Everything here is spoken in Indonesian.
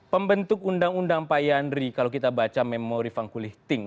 pembentuk undang undang pak yandri kalau kita baca memori fangkulih tink